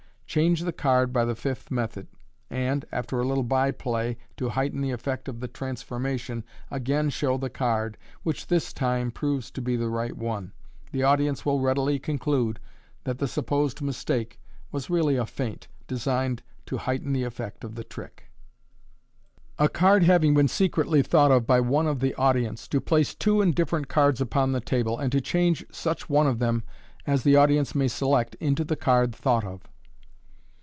Change the card by the fifth method (see page 32), and, after a little byplay to heighten the effect of the trans formation, again show the card, which this time proves to be the right one. The audience will readily conclude that the supposed mis take was really a feint, designed to heighten the effect of the trick. A Card having been Secretly Thought of by one of thi Audience, to place two Indifferent Cards upon the table, and to Change such one of them as the Audience may select into the Card thought of.